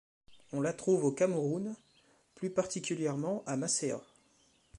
On la trouve au Cameroun, plus particulièrement à Massea.